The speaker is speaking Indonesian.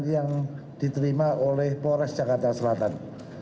yang diterima oleh polres jakarta selatan